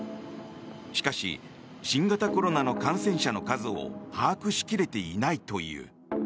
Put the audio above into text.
しかし、新型コロナの感染者の数を把握しきれていないという。